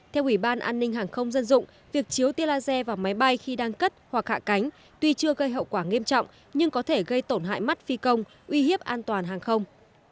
theo ủy ban an ninh hàng không dân dụng việc chiếu tia laser vào máy bay khi đang cất hoặc hạ cánh tuy chưa gây hậu quả nghiêm trọng nhưng có thể gây tổn hại mắt phi công uy hiếp an toàn hàng không